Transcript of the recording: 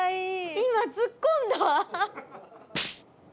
今ツッコんだわ。